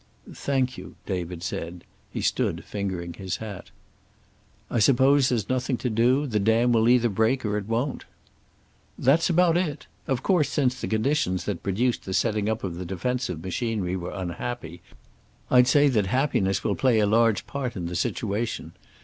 "Thank you," David said. He stood fingering his hat. "I suppose there's nothing to do? The dam will either break, or it won't." "That's about it. Of course since the conditions that produced the setting up of the defensive machinery were unhappy, I'd say that happiness will play a large part in the situation.